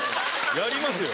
やりますよ。